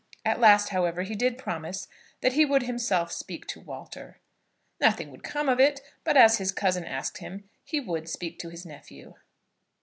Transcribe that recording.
At last, however, he did promise that he would himself speak to Walter. Nothing would come of it, but, as his cousin asked him, he would speak to his nephew.